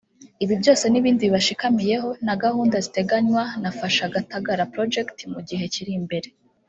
Ibi byose n’ibindi bibishamikiyeho na gahunda ziteganywa na “Fasha Gatagara Project” mu gihe kiri imbere